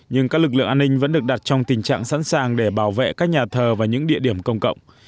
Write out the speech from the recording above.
nhưng các lực lượng an ninh vẫn được đặt trong tình trạng sẵn sàng để bảo vệ các nhà thờ và những địa điểm công cộng